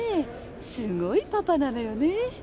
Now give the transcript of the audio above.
すごいパパなのよね